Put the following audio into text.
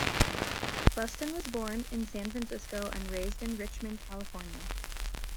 Buston was born in San Francisco and raised in Richmond, California.